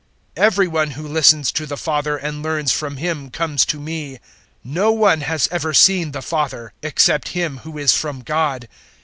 Every one who listens to the Father and learns from Him comes to me. 006:046 No one has ever seen the Father except Him who is from God.